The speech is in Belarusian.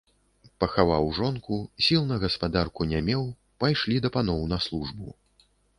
Пахаваў жонку, сіл на гаспадарку не меў, пайшлі да паноў на службу.